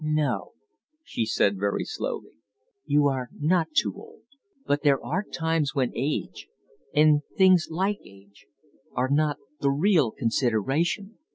"No," she said very slowly. "You are not too old. But there are times when age and things like age are not the real consideration.